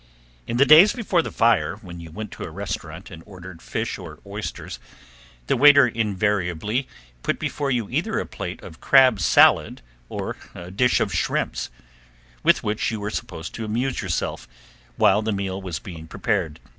In the days before the fire when you went to a restaurant and ordered fish or oysters the waiter invariably put before you either a plate of crab salad or a dish of shrimps, with which you were supposed to amuse yourself while the meal was being prepared.